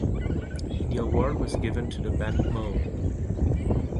The award was given to the band moe.